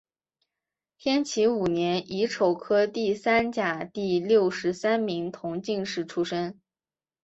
天启五年乙丑科第三甲第六十三名同进士出身。